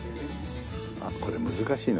あっこれ難しいね。